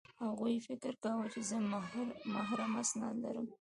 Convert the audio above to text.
هغوی فکر کاوه چې زه محرم اسناد لرم